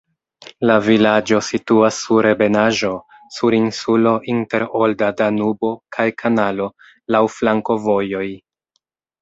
La vilaĝo situas sur ebenaĵo, sur insulo inter olda Danubo kaj kanalo, laŭ flankovojoj.